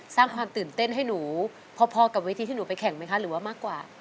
สร้างความตื่นเต้นให้หนูพอกับวิธีที่หนูไปแข่งไหมคะหรือว่ามากกว่า